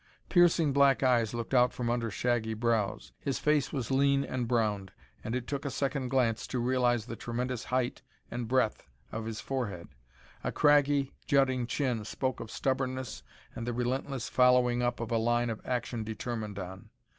Piercing black eyes looked out from under shaggy brows. His face was lean and browned, and it took a second glance to realize the tremendous height and breadth of his forehead. A craggy jutting chin spoke of stubbornness and the relentless following up of a line of action determined on.